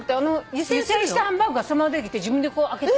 湯煎したハンバーグがそのまま出てきて自分でこう開けて。